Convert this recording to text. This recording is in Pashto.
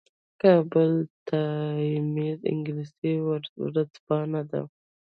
کابل ټایمز انګلیسي ورځپاڼه ده